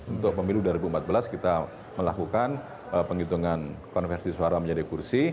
untuk pemilu dua ribu empat belas kita melakukan penghitungan konversi suara menjadi kursi